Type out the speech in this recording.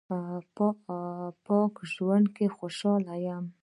پاک ژوند کې خوشاله یم